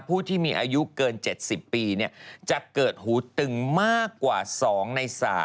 ผู้ที่มีอายุเกิน๗๐ปีจะเกิดหูตึงมากกว่า๒ใน๓